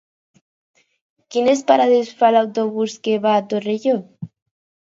Quines parades fa l'autobús que va a Torelló?